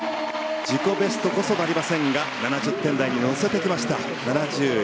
自己ベストこそなりませんが７０点台に乗せてきました。